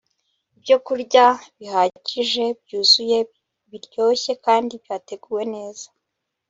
ibyokurya bihagije byuzuye biryoshye kandi byateguwe neza